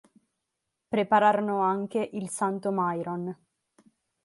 Prepararono anche il santo "myron".